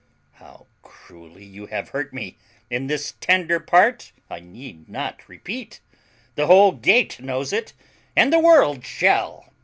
How cruelly you have hurt me in this tender part I need not repeat; the whole gate knows it, and the world shall.